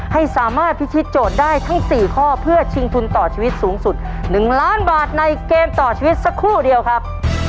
ให้สามารถพิธีโจทย์ได้ทั้ง๔ข้อเพื่อชิงทุนต่อชีวิตสูงสุด๑ล้านบาทในเกมต่อชีวิตสักครู่เดียวครับ